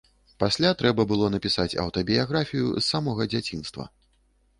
Пасля трэба было напісаць аўтабіяграфію з самога дзяцінства.